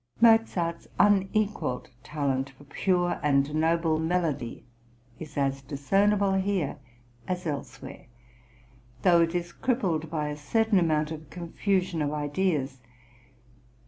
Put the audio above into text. Mozart's unequalled talent for pure and noble melody is as discernible here as elsewhere, though it is crippled by a certain amount of confusion of ideas.